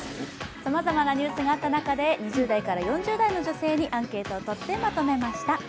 さまざまなニュースがあった中で２０代から４０代の女性にアンケートをとってまとめました。